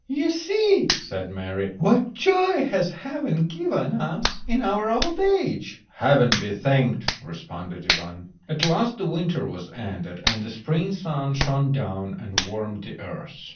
"You see," said Mary, "what joy has Heaven given us in our old age." "Heaven be thanked," responded Ivan. At last the winter was ended, and the spring sun shone down and warmed the earth.